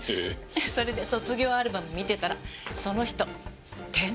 それで卒業アルバム見てたらその人転校生だったの。